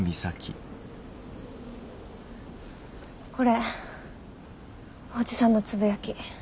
これおじさんのつぶやき。